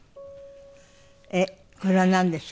えっこれはなんでしょう？